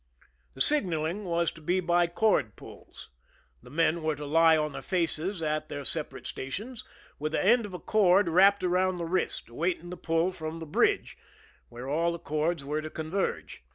The signaling was to be by cord pulls. The men were to lie on their faces at their separate stations, with the end of a cord wrapped around the wrist, awaiting the pull from the bridge, where all the cords were to converge.